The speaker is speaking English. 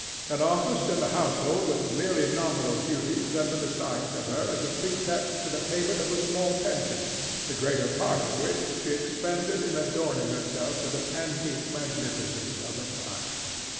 An office in the household with merely nominal duties had been assigned to her as a pretext for the payment of a small pension, the greater part of which she expended in adorning herself with an antique magnificence of attire.